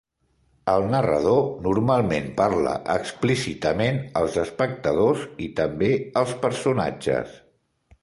El narrador normalment parla explícitament als espectadors i també als personatges.